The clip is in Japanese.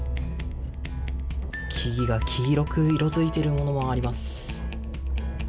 木々が黄色く色づいているものもあります。